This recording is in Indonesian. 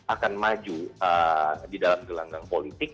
akan maju di dalam gelanggang politik